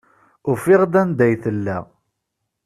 Ufiɣ-d anda ay tella.